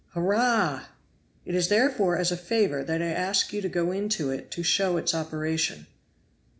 "Hurrah!" "It is therefore as a favor that I ask you to go into it to show its operation."